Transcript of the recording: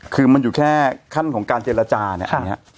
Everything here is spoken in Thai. คือมันอยู่แค่ขั้นของการเจรจาเนี่ยอันนี้